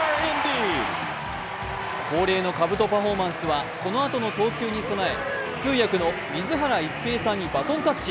恒例のかぶとパフォーマンスは、このあとの投球に備え、通訳の水原一平さんにバトンタッチ。